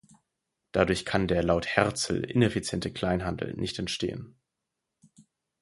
Dadurch kann der laut Herzl „ineffiziente“ Kleinhandel nicht entstehen.